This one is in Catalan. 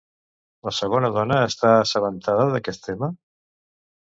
La segona dona està assabentada d'aquest tema?